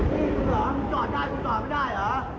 นี่มึงเหรอมึงจอดได้กูจอดไม่ได้เหรอ